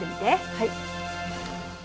はい。